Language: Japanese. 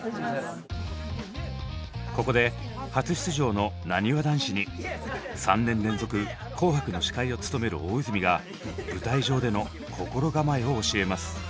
ここで初出場のなにわ男子に３年連続「紅白」の司会を務める大泉が舞台上での心構えを教えます。